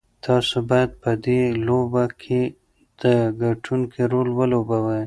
تاسو بايد په دې لوبه کې د ګټونکي رول ولوبوئ.